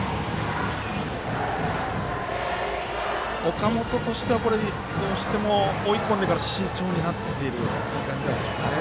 岡本としてはどうしても追い込んでから慎重になっているんでしょうかね。